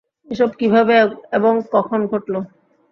এসব কীভাবে এবং কখন ঘটল?